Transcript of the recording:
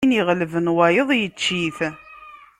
Win iɣelben wayeḍ, yečč-it!